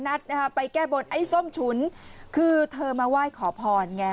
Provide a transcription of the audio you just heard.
ไปแก้บนไอ้ส้มฉุนคือเธอมาไหว้ขอพรไง